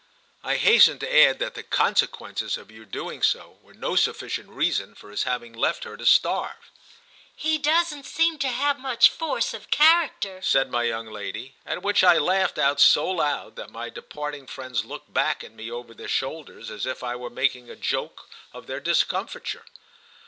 I hasten to add that the consequences of your doing so were no sufficient reason for his having left her to starve. "He doesn't seem to have much force of character," said my young lady; at which I laughed out so loud that my departing friends looked back at me over their shoulders as if I were making a joke of their discomfiture.